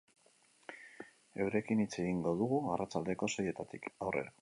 Eurekin hitz egingo dugu arratsaldeko seietatik aurrera.